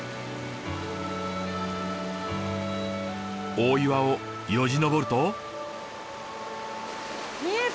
大岩をよじ登ると。